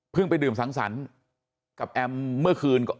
ไปดื่มสังสรรค์กับแอมเมื่อคืน